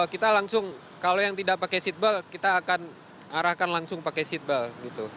kita langsung kalau yang tidak pakai seatbelt kita akan arahkan langsung pakai seatbelt gitu